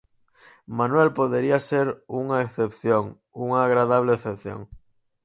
Manuel podería ser unha excepción, unha agradable excepción.